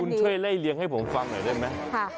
คุณช่วยไล่เลี้ยงให้ผมฟังหน่อยได้ไหม